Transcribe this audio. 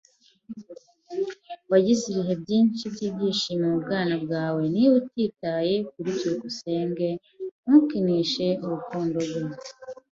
Wagize ibihe byinshi byishimo mubwana bwawe? Niba utitaye kuri byukusenge, ntukinishe urukundo rwe.